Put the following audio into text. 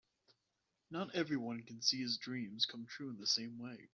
Not everyone can see his dreams come true in the same way.